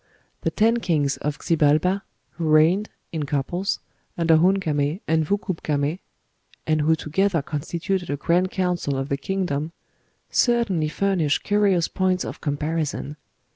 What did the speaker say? The ten kings of Xibalba, who reigned (in couples) under Hun Came and Vukub Came (and who together constituted a grand council of the kingdom), certainly furnish curious points of comparison.